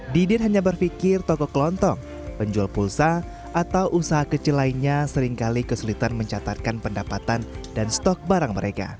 didin hanya berpikir toko kelontong penjual pulsa atau usaha kecil lainnya seringkali kesulitan mencatatkan pendapatan dan stok barang mereka